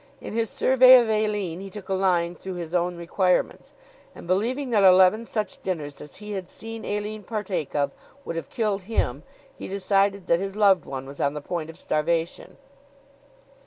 In his survey of Aline he took a line through his own requirements; and believing that eleven such dinners as he had seen Aline partake of would have killed him he decided that his loved one was on the point of starvation.